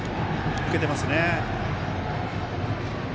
抜けていますね。